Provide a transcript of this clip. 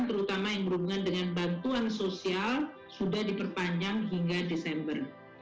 terutama yang berhubungan dengan bantuan sosial sudah diperpanjang hingga desember